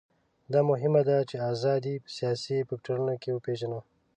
دا مهمه ده چې ازادي په سیاسي فکټورونو کې وپېژنو.